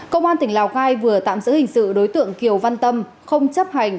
công an tỉnh lào cai vừa tạm giữ hình sự đối tượng kiều văn tâm không chấp hành